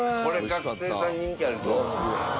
学生さんに人気ありそう。